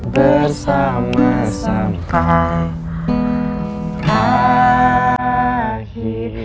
bersama sampai akhir